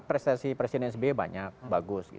prestasi presiden sby banyak bagus